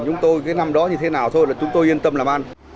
chúng tôi cái năm đó như thế nào thôi là chúng tôi yên tâm làm ăn